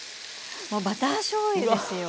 もうバターしょうゆですよ！